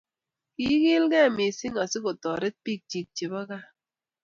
kigiilgei missing asigotoret biikchi chebo gaa